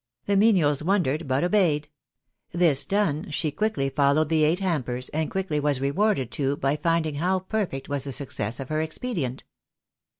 The menials wondered, but obeyed. This done, she quickly followed the eight hampers, and quickly was rewarded too, by find ing how perfect was the success of her expedient.